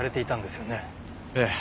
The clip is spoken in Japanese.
ええ。